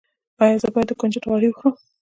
ایا زه باید د کنجد غوړي وخورم؟